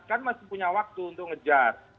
kan masih punya waktu untuk ngejar